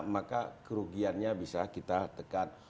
maka kerugiannya bisa kita tekan